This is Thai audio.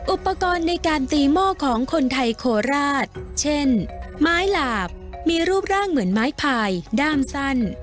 อุปกรณ์ในการตีหม้อของคนไทยโคราชเช่นไม้หลาบมีรูปร่างเหมือนไม้พายด้ามสั้น